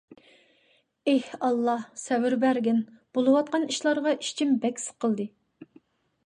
ئى ئاللاھ، سەۋر بەرگىن. بولۇۋاتقان ئىشلارغا ئىچىم بەك سىقىلدى.